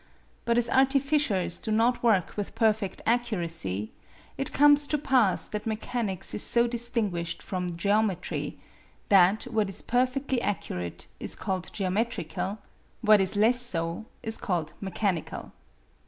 But as artificers do not work with perfect accuracy, it comes to pass that mechanics is so distinguished from geometry, that what is perfectly accurate is called geometrical; what is less so is called mechanical.